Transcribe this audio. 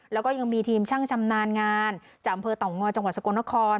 แล้วก็ยังมีทีมช่างชำนาญงานจากอำเภอต่องงอจังหวัดสกลนคร